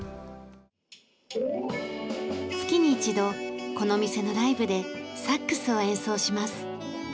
月に１度この店のライブでサックスを演奏します。